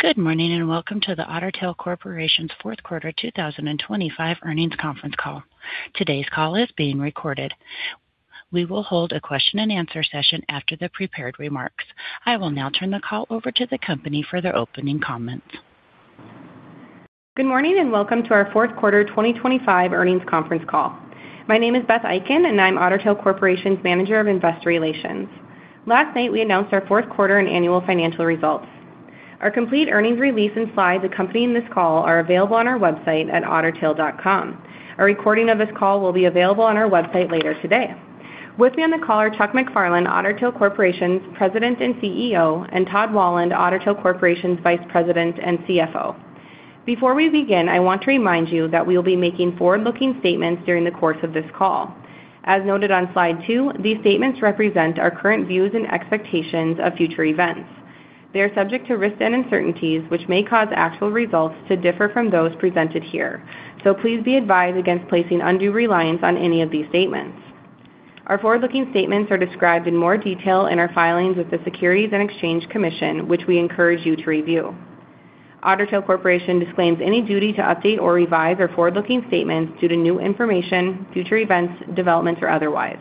Good morning, and welcome to the Otter Tail Corporation's fourth quarter 2025 earnings conference call. Today's call is being recorded. We will hold a question-and-answer session after the prepared remarks. I will now turn the call over to the company for their opening comments. Good morning, and welcome to our fourth quarter 2025 earnings conference call. My name is Beth Eiken, and I'm Otter Tail Corporation's Manager of Investor Relations. Last night, we announced our fourth quarter and annual financial results. Our complete earnings release and slides accompanying this call are available on our website at ottertail.com. A recording of this call will be available on our website later today. With me on the call are Chuck MacFarlane, Otter Tail Corporation's President and CEO, and Todd Wahlund, Otter Tail Corporation's Vice President and CFO. Before we begin, I want to remind you that we will be making forward-looking statements during the course of this call. As noted on slide two, these statements represent our current views and expectations of future events. They are subject to risks and uncertainties, which may cause actual results to differ from those presented here. So please be advised against placing undue reliance on any of these statements. Our forward-looking statements are described in more detail in our filings with the Securities and Exchange Commission, which we encourage you to review. Otter Tail Corporation disclaims any duty to update or revise their forward-looking statements due to new information, future events, developments, or otherwise.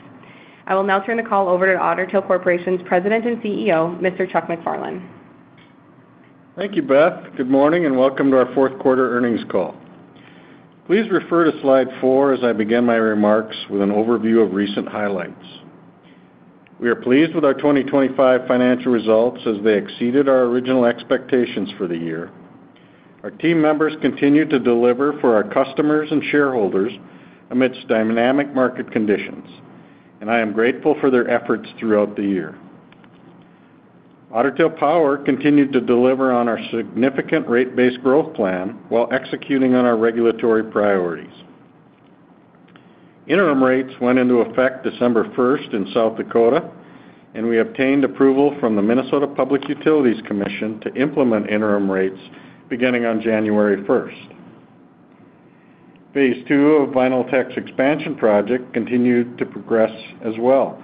I will now turn the call over to Otter Tail Corporation's President and CEO, Mr. Chuck MacFarlane. Thank you, Beth. Good morning, and welcome to our fourth quarter earnings call. Please refer to slide four as I begin my remarks with an overview of recent highlights. We are pleased with our 2025 financial results as they exceeded our original expectations for the year. Our team members continued to deliver for our customers and shareholders amidst dynamic market conditions, and I am grateful for their efforts throughout the year. Otter Tail Power continued to deliver on our significant rate base growth plan while executing on our regulatory priorities. Interim rates went into effect December 1st in South Dakota, and we obtained approval from the Minnesota Public Utilities Commission to implement interim rates beginning on January 1st, phase II of Vinyltech's expansion project continued to progress as well,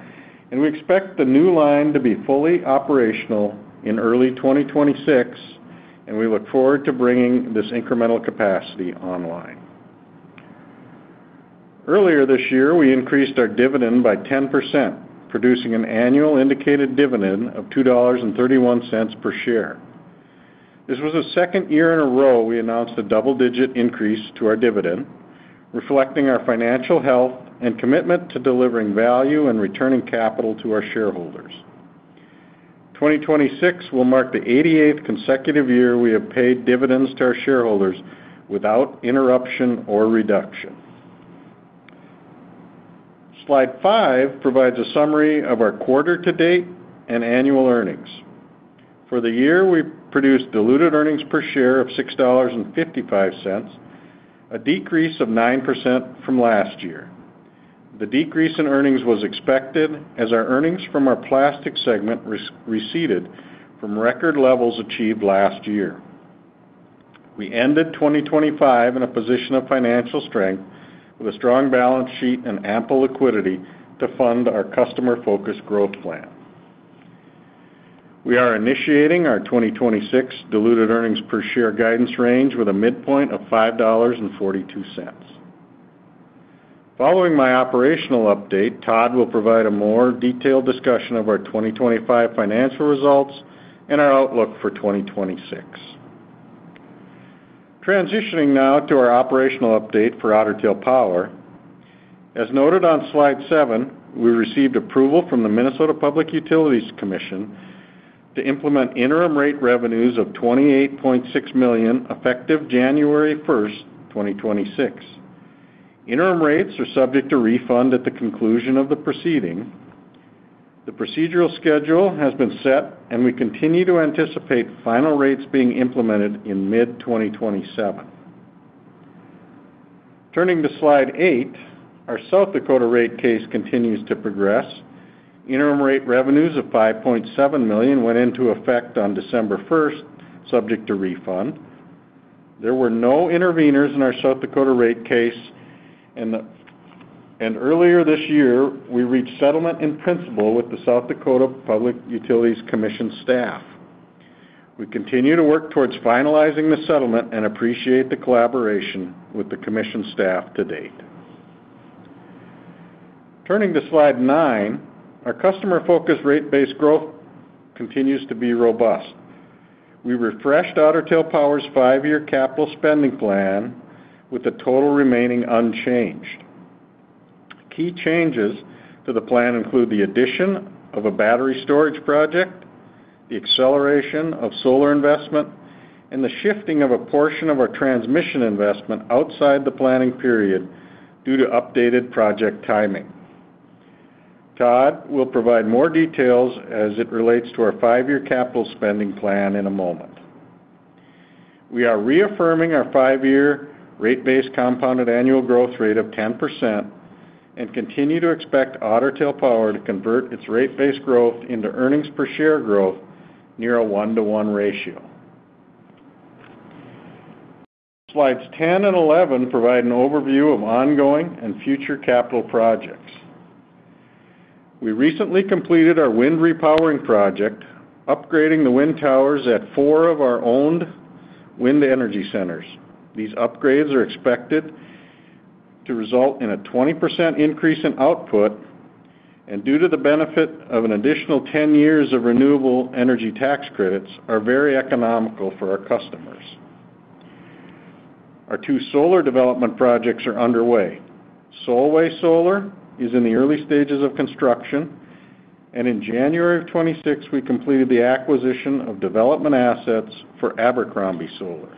and we expect the new line to be fully operational in early 2026, and we look forward to bringing this incremental capacity online. Earlier this year, we increased our dividend by 10%, producing an annual indicated dividend of $2.31 per share. This was the second year in a row we announced a double-digit increase to our dividend, reflecting our financial health and commitment to delivering value and returning capital to our shareholders. 2026 will mark the 88th consecutive year we have paid dividends to our shareholders without interruption or reduction. Slide five provides a summary of our quarter-to-date and annual earnings. For the year, we produced diluted earnings per share of $6.55, a decrease of 9% from last year. The decrease in earnings was expected as our earnings from our plastics segment receded from record levels achieved last year. We ended 2025 in a position of financial strength, with a strong balance sheet and ample liquidity to fund our customer-focused growth plan. We are initiating our 2026 diluted earnings per share guidance range with a midpoint of $5.42. Following my operational update, Todd will provide a more detailed discussion of our 2025 financial results and our outlook for 2026. Transitioning now to our operational update for Otter Tail Power. As noted on slide seven, we received approval from the Minnesota Public Utilities Commission to implement interim rate revenues of $28.6 million, effective January 1st, 2026. Interim rates are subject to refund at the conclusion of the proceeding. The procedural schedule has been set, and we continue to anticipate final rates being implemented in mid-2027. Turning to slide eight, our South Dakota rate case continues to progress. Interim rate revenues of $5.7 million went into effect on December 1st, subject to refund. There were no intervenors in our South Dakota rate case, and earlier this year, we reached settlement in principle with the South Dakota Public Utilities Commission staff. We continue to work towards finalizing the settlement and appreciate the collaboration with the commission staff to date. Turning to slide nine, our customer-focused rate base growth continues to be robust. We refreshed Otter Tail Power's five year capital spending plan, with the total remaining unchanged. Key changes to the plan include the addition of a battery storage project, the acceleration of solar investment, and the shifting of a portion of our transmission investment outside the planning period due to updated project timing. Todd will provide more details as it relates to our five-year capital spending plan in a moment. We are reaffirming our five-year rate-based compounded annual growth rate of 10% and continue to expect Otter Tail Power to convert its rate-based growth into earnings per share growth near a 1-to-1 ratio. Slides 10 and 11 provide an overview of ongoing and future capital projects. We recently completed our wind repowering project, upgrading the wind towers at four of our owned wind energy centers. These upgrades are expected to result in a 20% increase in output, and due to the benefit of an additional 10 years of renewable energy tax credits, are very economical for our customers. Our two solar development projects are underway. Solway Solar is in the early stages of construction, and in January 2026, we completed the acquisition of development assets for Abercrombie Solar.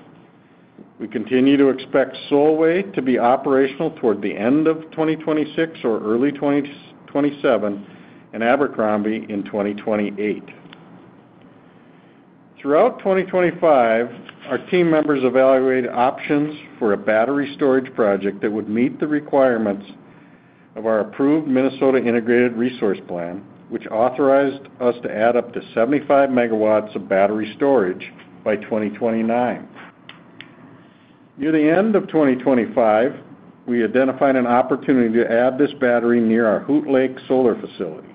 We continue to expect Solway to be operational toward the end of 2026 or early 2027, and Abercrombie in 2028. Throughout 2025, our team members evaluated options for a battery storage project that would meet the requirements of our approved Minnesota Integrated Resource Plan, which authorized us to add up to 75 MW of battery storage by 2029. Near the end of 2025, we identified an opportunity to add this battery near our Hoot Lake Solar facility.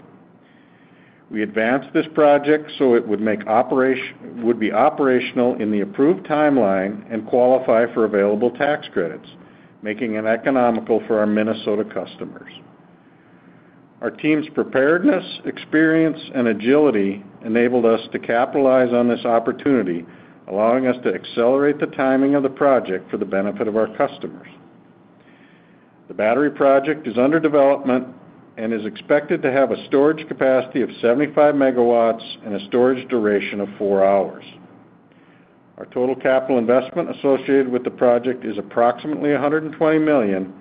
We advanced this project so it would be operational in the approved timeline and qualify for available tax credits, making it economical for our Minnesota customers. Our team's preparedness, experience, and agility enabled us to capitalize on this opportunity, allowing us to accelerate the timing of the project for the benefit of our customers. The battery project is under development and is expected to have a storage capacity of 75 MW and a storage duration of four hours. Our total capital investment associated with the project is approximately $120 million,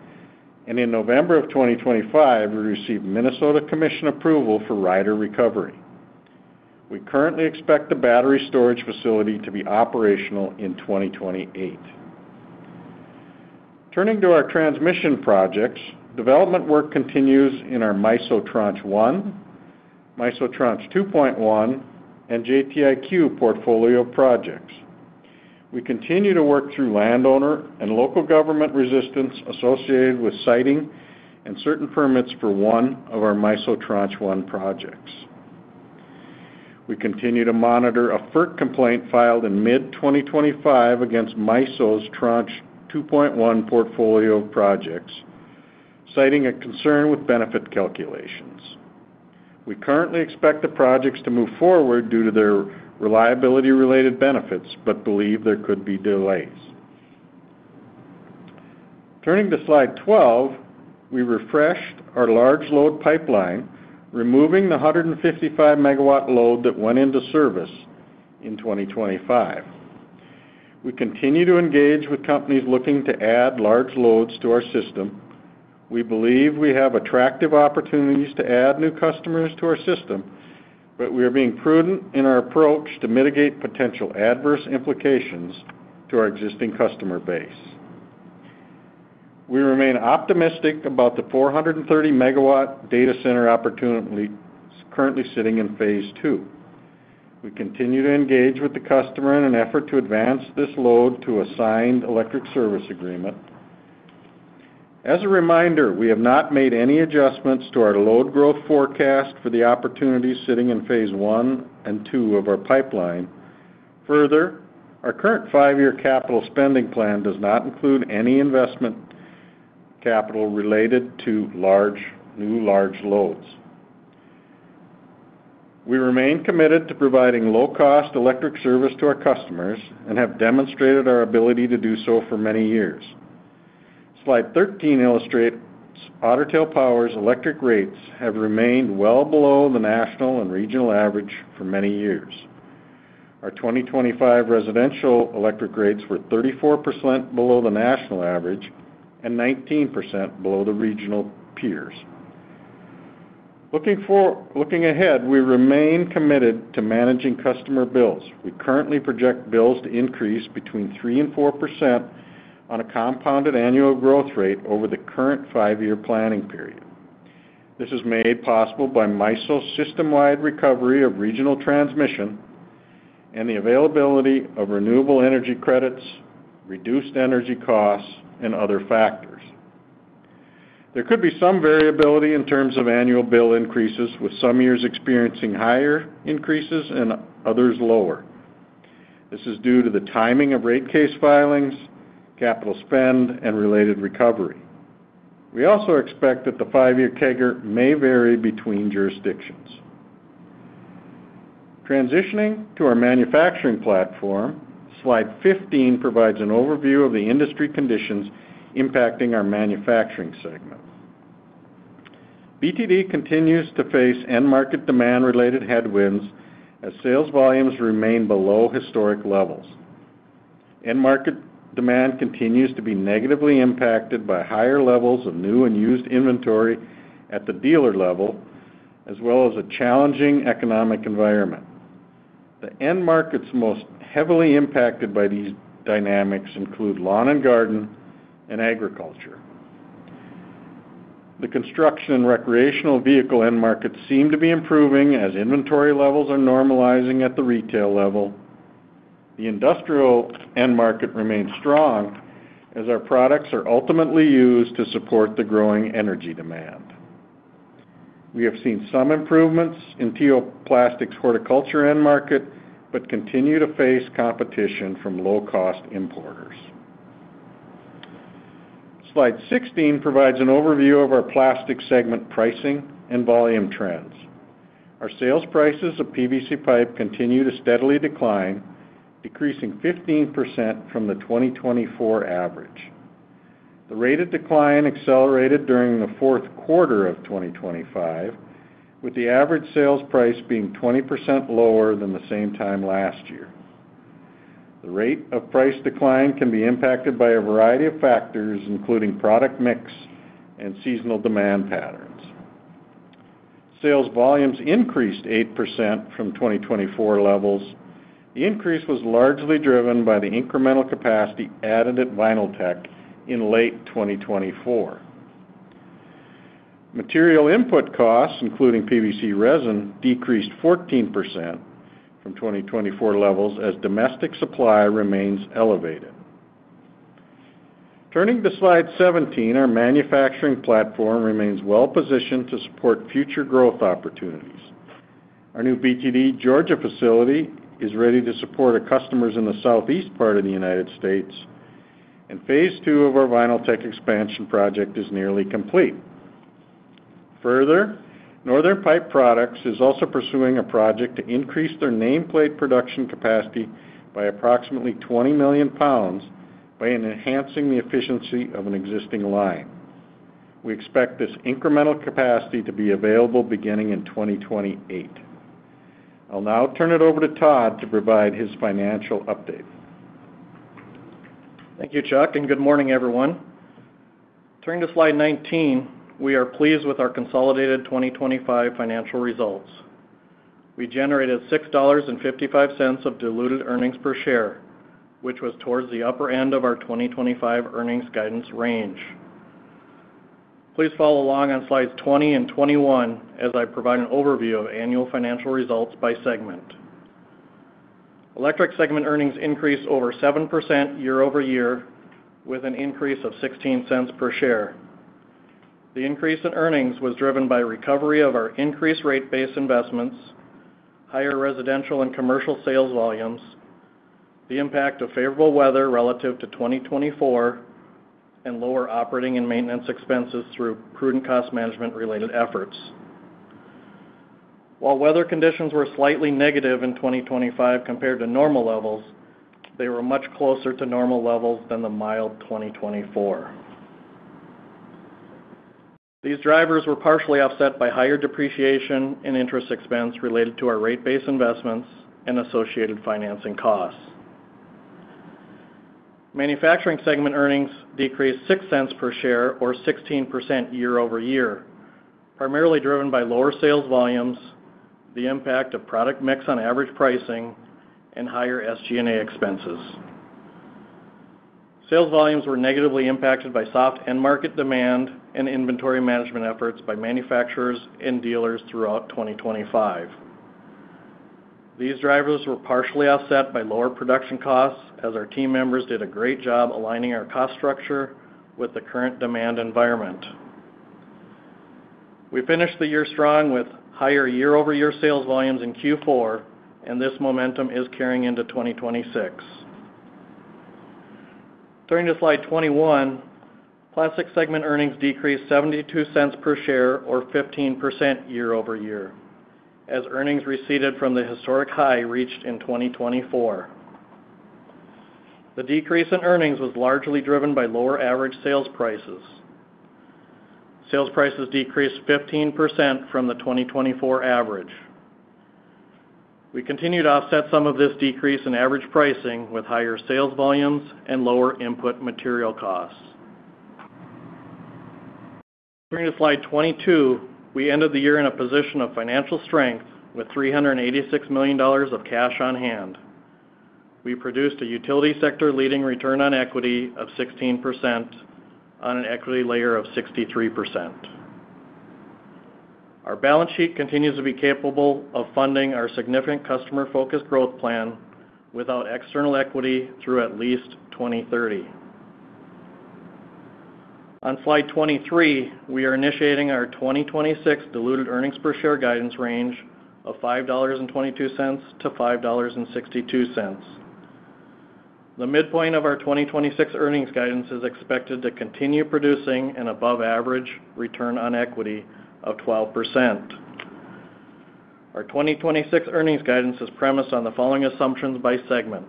and in November 2025, we received Minnesota Commission approval for rider recovery. We currently expect the battery storage facility to be operational in 2028. Turning to our transmission projects, development work continues in our MISO Tranche 1, MISO Tranche 2.1, and JTIQ portfolio of projects. We continue to work through landowner and local government resistance associated with siting and certain permits for one of our MISO Tranche 1 projects. We continue to monitor a FERC complaint filed in mid-2025 against MISO's Tranche 2.1 portfolio of projects, citing a concern with benefit calculations. We currently expect the projects to move forward due to their reliability-related benefits, but believe there could be delays. Turning to Slide 12, we refreshed our large load pipeline, removing the 155-MW load that went into service in 2025. We continue to engage with companies looking to add large loads to our system. We believe we have attractive opportunities to add new customers to our system, but we are being prudent in our approach to mitigate potential adverse implications to our existing customer base. We remain optimistic about the 430 MW data center opportunity currently sitting in phase II. We continue to engage with the customer in an effort to advance this load to a signed electric service agreement. As a reminder, we have not made any adjustments to our load growth forecast for the opportunities sitting in phase I and II of our pipeline. Further, our current five-year capital spending plan does not include any investment capital related to new large loads. We remain committed to providing low-cost electric service to our customers and have demonstrated our ability to do so for many years. Slide 13 illustrates Otter Tail Power's electric rates have remained well below the national and regional average for many years. Our 2025 residential electric rates were 34% below the national average and 19% below the regional peers. Looking ahead, we remain committed to managing customer bills. We currently project bills to increase between 3% and 4% on a compounded annual growth rate over the current 5-year planning period. This is made possible by MISO's system-wide recovery of regional transmission and the availability of renewable energy credits, reduced energy costs, and other factors. There could be some variability in terms of annual bill increases, with some years experiencing higher increases and others lower. This is due to the timing of rate case filings, capital spend, and related recovery. We also expect that the 5-year CAGR may vary between jurisdictions. Transitioning to our manufacturing platform, Slide 15 provides an overview of the industry conditions impacting our manufacturing segment. BTD continues to face end market demand-related headwinds as sales volumes remain below historic levels. End market demand continues to be negatively impacted by higher levels of new and used inventory at the dealer level, as well as a challenging economic environment. The end markets most heavily impacted by these dynamics include lawn and garden and agriculture. The construction and recreational vehicle end markets seem to be improving as inventory levels are normalizing at the retail level. The industrial end market remains strong as our products are ultimately used to support the growing energy demand. We have seen some improvements in T.O. Plastics horticulture end market, but continue to face competition from low-cost importers. Slide 16 provides an overview of our plastic segment pricing and volume trends. Our sales prices of PVC pipe continue to steadily decline, decreasing 15% from the 2024 average. The rate of decline accelerated during the fourth quarter of 2025, with the average sales price being 20% lower than the same time last year. The rate of price decline can be impacted by a variety of factors, including product mix and seasonal demand patterns. Sales volumes increased 8% from 2024 levels. The increase was largely driven by the incremental capacity added at Vinyltech in late 2024. Material input costs, including PVC resin, decreased 14% from 2024 levels as domestic supply remains elevated. Turning to slide 17, our manufacturing platform remains well-positioned to support future growth opportunities. Our new BTD Georgia facility is ready to support our customers in the Southeast part of the United States, and phase II of our Vinyltech expansion project is nearly complete. Further, Northern Pipe Products is also pursuing a project to increase their nameplate production capacity by approximately 20 million pounds by enhancing the efficiency of an existing line. We expect this incremental capacity to be available beginning in 2028. I'll now turn it over to Todd to provide his financial update. Thank you, Chuck, and good morning, everyone. Turning to slide 19, we are pleased with our consolidated 2025 financial results. We generated $6.55 of diluted earnings per share, which was towards the upper end of our 2025 earnings guidance range. Please follow along on slides 20 and 21 as I provide an overview of annual financial results by segment. Electric segment earnings increased over 7% year-over-year, with an increase of $0.16 per share. The increase in earnings was driven by recovery of our increased rate base investments, higher residential and commercial sales volumes, the impact of favorable weather relative to 2024, and lower operating and maintenance expenses through prudent cost management-related efforts. While weather conditions were slightly negative in 2025 compared to normal levels, they were much closer to normal levels than the mild 2024. These drivers were partially offset by higher depreciation and interest expense related to our rate base investments and associated financing costs. Manufacturing segment earnings decreased $0.06 per share, or 16% year-over-year, primarily driven by lower sales volumes, the impact of product mix on average pricing, and higher SG&A expenses. Sales volumes were negatively impacted by soft end market demand and inventory management efforts by manufacturers and dealers throughout 2025. These drivers were partially offset by lower production costs, as our team members did a great job aligning our cost structure with the current demand environment. We finished the year strong with higher year-over-year sales volumes in Q4, and this momentum is carrying into 2026. Turning to slide 21, plastic segment earnings decreased $0.72 per share, or 15% year-over-year, as earnings receded from the historic high reached in 2024. The decrease in earnings was largely driven by lower average sales prices. Sales prices decreased 15% from the 2024 average. We continue to offset some of this decrease in average pricing with higher sales volumes and lower input material costs. Turning to slide 22, we ended the year in a position of financial strength with $386 million of cash on hand. We produced a utility sector leading return on equity of 16% on an equity layer of 63%. Our balance sheet continues to be capable of funding our significant customer-focused growth plan without external equity through at least 2030. On slide 23, we are initiating our 2026 diluted earnings per share guidance range of $5.22-$5.62. The midpoint of our 2026 earnings guidance is expected to continue producing an above-average return on equity of 12%. Our 2026 earnings guidance is premised on the following assumptions by segment.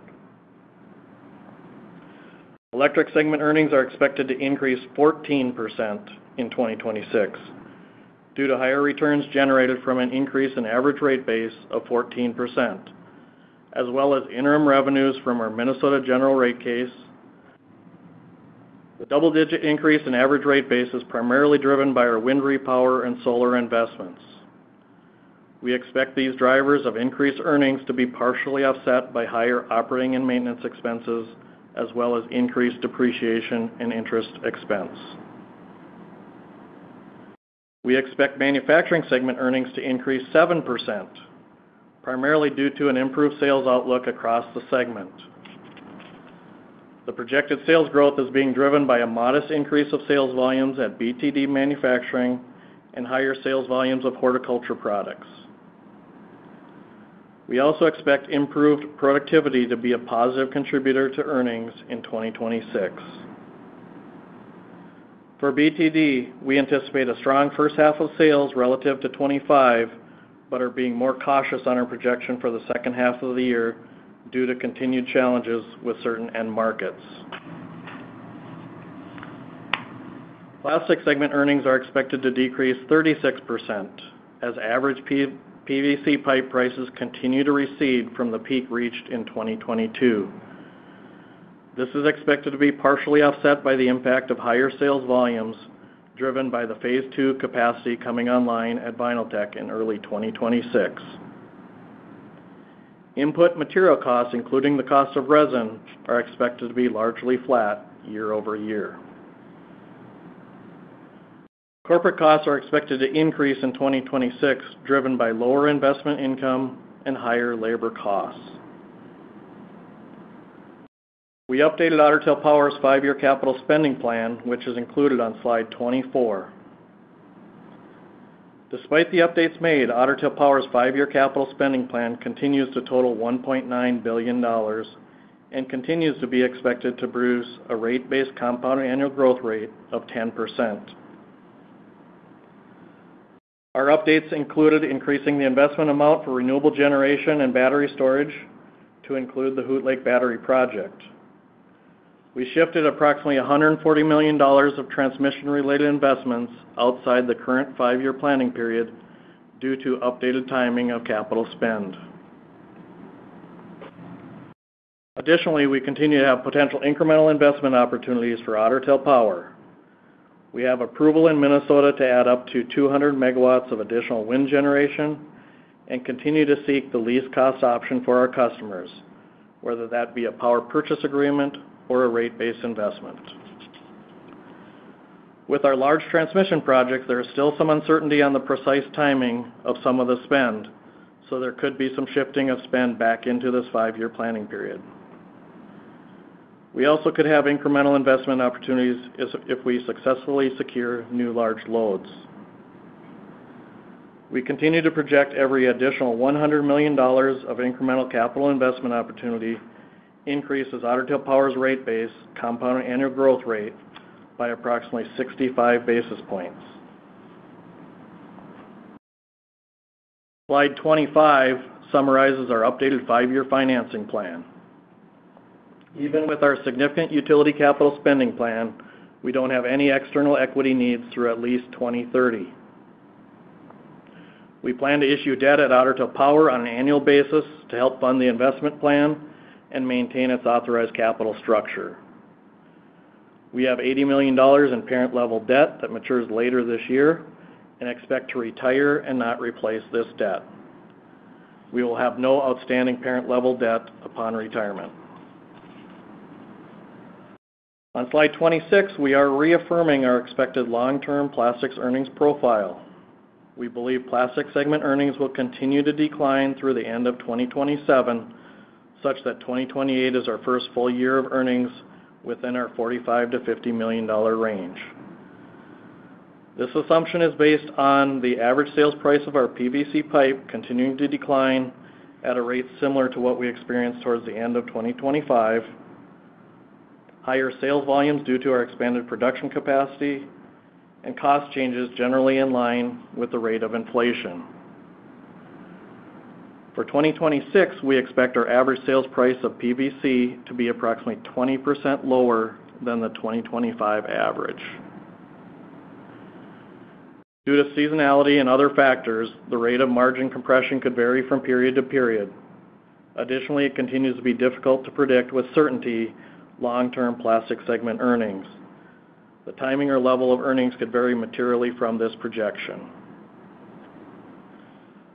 Electric segment earnings are expected to increase 14% in 2026 due to higher returns generated from an increase in average rate base of 14%, as well as interim revenues from our Minnesota general rate case. The double-digit increase in average rate base is primarily driven by our wind repower and solar investments. We expect these drivers of increased earnings to be partially offset by higher operating and maintenance expenses, as well as increased depreciation and interest expense. We expect manufacturing segment earnings to increase 7%, primarily due to an improved sales outlook across the segment. The projected sales growth is being driven by a modest increase of sales volumes at BTD Manufacturing and higher sales volumes of horticulture products. We also expect improved productivity to be a positive contributor to earnings in 2026. For BTD, we anticipate a strong first half of sales relative to 2025, but are being more cautious on our projection for the second half of the year due to continued challenges with certain end markets. Plastic segment earnings are expected to decrease 36% as average PVC pipe prices continue to recede from the peak reached in 2022. This is expected to be partially offset by the impact of higher sales volumes, driven by the phase II capacity coming online at Vinyltech in early 2026. Input material costs, including the cost of resin, are expected to be largely flat year-over-year. Corporate costs are expected to increase in 2026, driven by lower investment income and higher labor costs. We updated Otter Tail Power's five-year capital spending plan, which is included on slide 24. Despite the updates made, Otter Tail Power's five-year capital spending plan continues to total $1.9 billion and continues to be expected to produce a rate-based compound annual growth rate of 10%. Our updates included increasing the investment amount for renewable generation and battery storage to include the Hoot Lake Battery Project. We shifted approximately $140 million of transmission-related investments outside the current five-year planning period due to updated timing of capital spend. Additionally, we continue to have potential incremental investment opportunities for Otter Tail Power. We have approval in Minnesota to add up to 200 MW of additional wind generation and continue to seek the least cost option for our customers, whether that be a power purchase agreement or a rate-base investment. With our large transmission projects, there is still some uncertainty on the precise timing of some of the spend, so there could be some shifting of spend back into this five-year planning period. We also could have incremental investment opportunities as if we successfully secure new large loads. We continue to project every additional $100 million of incremental capital investment opportunity increases Otter Tail Power's rate base compound annual growth rate by approximately 65 basis points. Slide 25 summarizes our updated five-year financing plan. Even with our significant utility capital spending plan, we don't have any external equity needs through at least 2030. We plan to issue debt at Otter Tail Power on an annual basis to help fund the investment plan and maintain its authorized capital structure. We have $80 million in parent level debt that matures later this year and expect to retire and not replace this debt. We will have no outstanding parent-level debt upon retirement. On slide 26, we are reaffirming our expected long-term plastics earnings profile. We believe plastics segment earnings will continue to decline through the end of 2027, such that 2028 is our first full year of earnings within our $45 million-$50 million range. This assumption is based on the average sales price of our PVC pipe continuing to decline at a rate similar to what we experienced towards the end of 2025, higher sales volumes due to our expanded production capacity, and cost changes generally in line with the rate of inflation. For 2026, we expect our average sales price of PVC to be approximately 20% lower than the 2025 average. Due to seasonality and other factors, the rate of margin compression could vary from period to period. Additionally, it continues to be difficult to predict with certainty long-term plastic segment earnings. The timing or level of earnings could vary materially from this projection.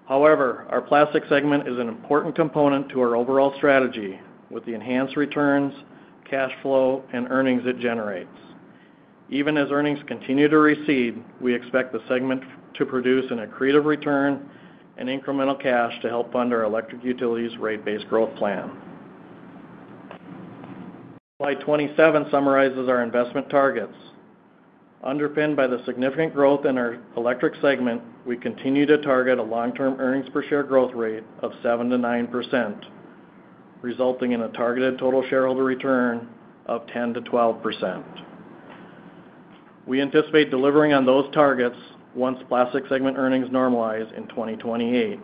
However, our plastic segment is an important component to our overall strategy with the enhanced returns, cash flow, and earnings it generates. Even as earnings continue to recede, we expect the segment to produce an accretive return and incremental cash to help fund our electric utilities rate-based growth plan. Slide 27 summarizes our investment targets. Underpinned by the significant growth in our electric segment, we continue to target a long-term earnings per share growth rate of 7%-9%, resulting in a targeted total shareholder return of 10%-12%. We anticipate delivering on those targets once plastic segment earnings normalize in 2028.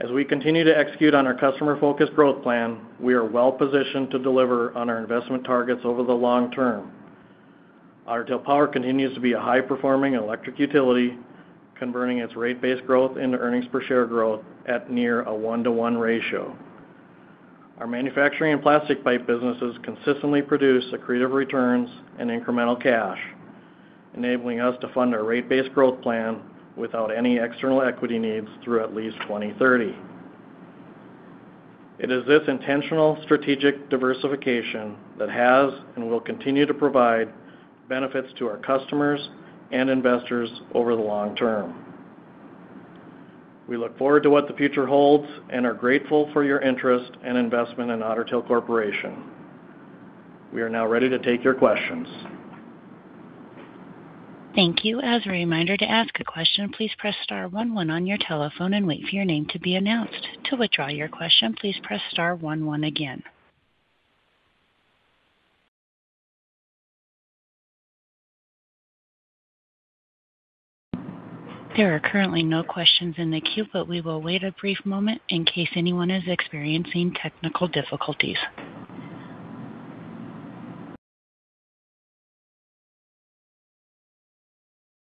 As we continue to execute on our customer-focused growth plan, we are well positioned to deliver on our investment targets over the long term. Otter Tail Power continues to be a high-performing electric utility, converting its rate-based growth into earnings per share growth at near a one-to-one ratio. Our manufacturing and plastic pipe businesses consistently produce accretive returns and incremental cash, enabling us to fund our rate-based growth plan without any external equity needs through at least 2030. It is this intentional strategic diversification that has and will continue to provide benefits to our customers and investors over the long term. We look forward to what the future holds and are grateful for your interest and investment in Otter Tail Corporation. We are now ready to take your questions. Thank you. As a reminder, to ask a question, please press star one one on your telephone and wait for your name to be announced. To withdraw your question, please press star one one again. There are currently no questions in the queue, but we will wait a brief moment in case anyone is experiencing technical difficulties.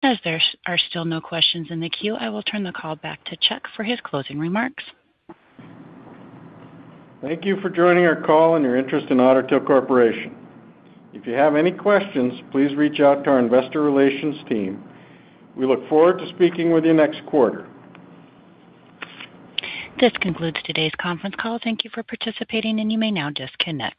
As there are still no questions in the queue, I will turn the call back to Chuck for his closing remarks. Thank you for joining our call and your interest in Otter Tail Corporation. If you have any questions, please reach out to our investor relations team. We look forward to speaking with you next quarter. This concludes today's conference call. Thank you for participating, and you may now disconnect.